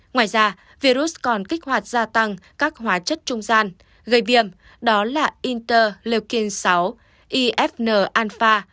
ngoài ra virus còn kích hoạt gia tăng các hóa chất trung gian gây viêm đó là interleukin sáu ifn alpha